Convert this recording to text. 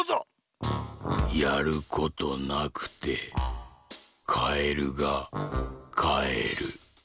「やることなくてカエルがかえる」。